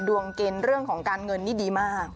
ดวงเกณฑ์เรื่องของการเงินนี่ดีมาก